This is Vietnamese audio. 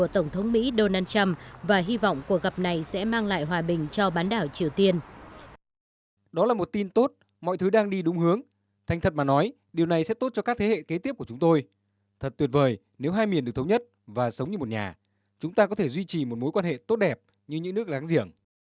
tổng thống mỹ donald trump và hy vọng cuộc gặp này sẽ mang lại hòa bình cho bán đảo triều tiên